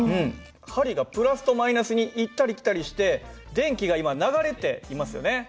針が＋と−に行ったり来たりして電気が今流れていますよね。